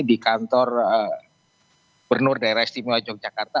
di kantor bernur daerah istimewa yogyakarta